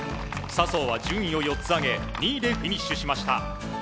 笹生は順位を４つ上げ２位でフィニッシュしました。